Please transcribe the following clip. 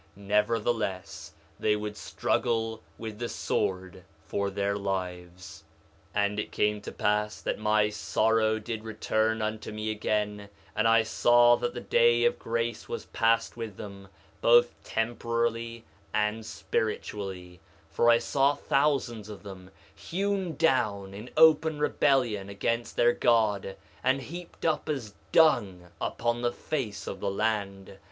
Nevertheless they would struggle with the sword for their lives. 2:15 And it came to pass that my sorrow did return unto me again, and I saw that the day of grace was passed with them, both temporally and spiritually; for I saw thousands of them hewn down in open rebellion against their God, and heaped up as dung upon the face of the land.